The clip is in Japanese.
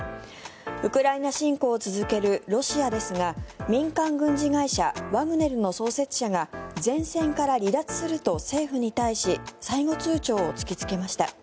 ウクライナ侵攻を続けるロシアですが民間軍事会社ワグネルの創設者が前線から離脱すると政府に対し最後通ちょうを突きつけました。